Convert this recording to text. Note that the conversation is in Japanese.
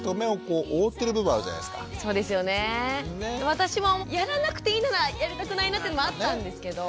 私もやらなくていいならやりたくないなっていうのもあったんですけど。